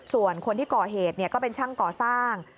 ส่วนคนที่ก่อเหตุก็เป็นช่างก่อสร้าง